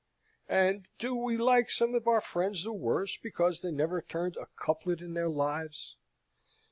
And do we like some of our friends the worse because they never turned a couplet in their lives?